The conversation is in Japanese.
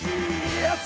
やった！